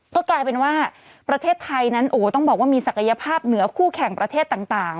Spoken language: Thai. ก็กลายเป็นว่าประเทศไทยนั้นโอ้โหต้องบอกว่ามีศักยภาพเหนือคู่แข่งประเทศต่าง